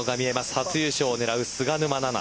初優勝を狙う菅沼菜々。